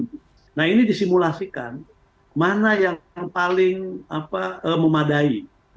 nah ini disimulasikan mana yang paling memadai